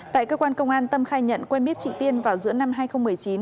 tại cơ quan công an tâm khai nhận quen biết chị tiên vào giữa năm hai nghìn một mươi chín